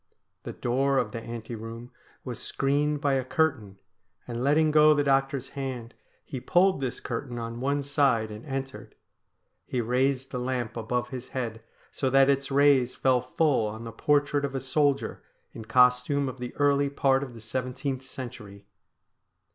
The door of the ante room was screened by a curtain, and letting go the doctor's hand he pulled this curtain on one side and entered. He raised the lamp above his head so that its rays fell full on the portrait of a soldier in costume of the early part of the seventeenth century.